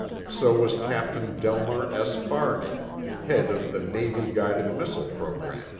So was Captain Delmer S. Fahrney, head of the Navy guided missile program.